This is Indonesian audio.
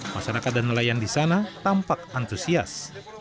masyarakat dan nelayan di sana tampak antusias